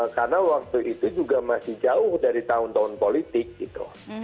karena waktu itu juga masih jauh dari tahun tahun politik gitu